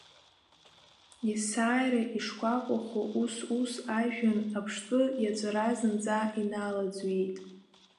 Есааира иш-кәакәахо, ус-ус, ажәҩан аԥшҭәы иаҵәара зынӡа иналаӡҩеит.